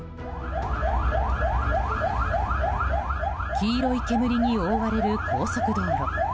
黄色い煙に覆われる高速道路。